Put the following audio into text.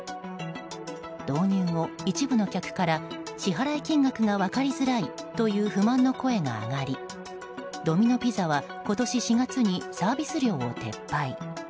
導入後、一部の客から支払金額が分かりづらいという不満の声が上がりドミノ・ピザは今年４月にサービス料を撤廃。